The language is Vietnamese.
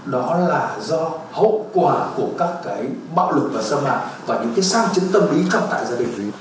đó là do hậu quả của các cái bạo lực và xâm hại và những cái sang chứng tâm lý trong tại gia đình